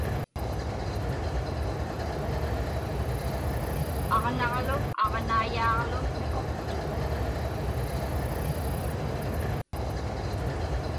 Aġnaġlu aġnaiyaaġlu miquqtuk.